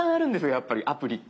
やっぱりアプリって。